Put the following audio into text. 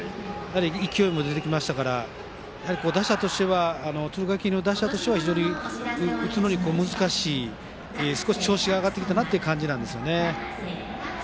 勢いも出てきましたから敦賀気比の打者としては非常に打つのが難しくて調子が上がってきた感じですね。